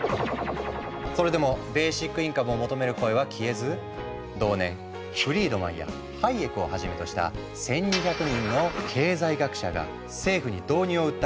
それでもベーシックインカムを求める声は消えず同年フリードマンやハイエクをはじめとした１，２００人の経済学者が政府に導入を訴え